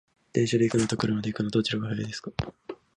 電車で行くのと車で行くの、どちらが早いですか？